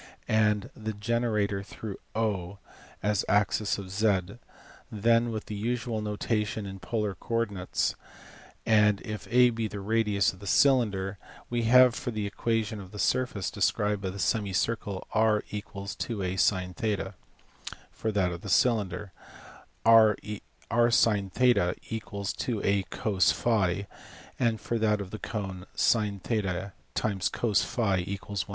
and the generator through as axis of 2, then, with the usual notation in polar coordinates, and if a be the radius of the cylinder, we have for the equation of the surface described by the semicircle, r = 2a sin \ for that of the cylinder, r sin = 2a cos < ; and for that of the cone, sin 6 cos $= J.